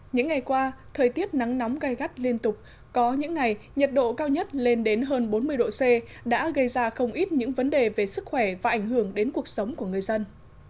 những ngày qua thời tiết nắng nóng gai gắt liên tục có những ngày nhiệt độ cao nhất lên đến hơn bốn mươi độ c đã gây ra không ít những vấn đề về sức khỏe và ảnh hưởng đến cuộc sống của người dân